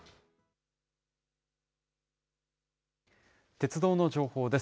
鉄道の情報です。